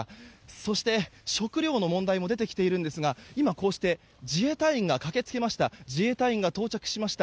そして、食料の問題も出てきているんですが、今自衛隊員が到着しました。